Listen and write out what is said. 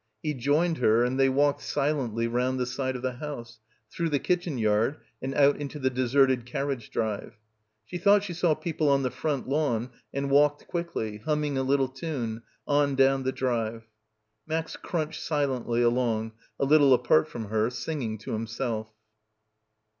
He joined her and they walked silently round the side of the house, through the kitchen yard and out into the deserted carriage drive. She thought she saw people on the front lawn and walked quickly, humming a little tune, on down the drive. Max crunched silently along a little apart from her, singing to himself.